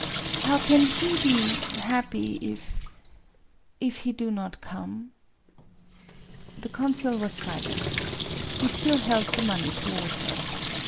How kin he be happy if he do not come ?" The consul was silent. He still held the money toward her.